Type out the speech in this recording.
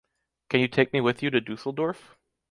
Can you take me with you to Düsseldorf?